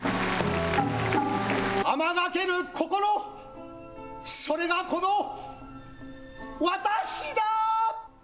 あまがける心、それがこの私だ。